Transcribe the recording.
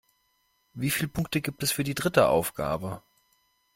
Wie viele Punkte gibt es für die dritte Aufgabe?